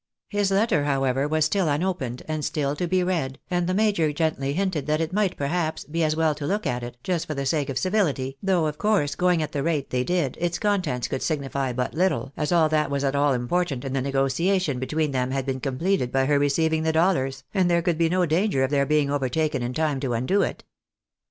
His letter, however, was still unopened and still to be read, and the major gently hinted that it might, perhaps, be as well to look at it, just for the sake of civility, though of com'se, going at the rate they did, its contents could signify but little, as all that was at all important in the negotiation between them had been completed by her receiving the dollars, and there could be no danger of their being overtaken in time to undo it.